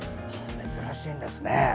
珍しいんですね。